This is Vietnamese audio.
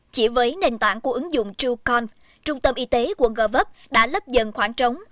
chỉ với nền tảng của ứng dụng trueconf trung tâm y tế của ngơ vấp đã lấp dần khoảng trống